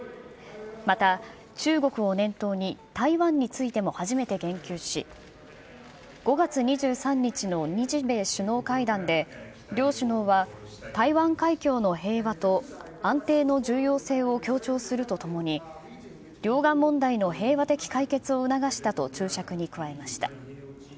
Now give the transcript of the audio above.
また、中国を念頭に台湾についても初めて言及し、５月２３日の日米首脳会談で、両首脳は台湾海峡の平和と安定の重要性を強調するとともに、両岸問題の平和的解決を促したと注釈に加えました。